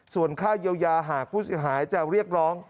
ส่วนค่าเย้วยาห่ากฟูจิหายจ่าเงียกร้อง